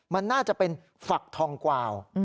มันน่าจะเป็นฝักทองกวาว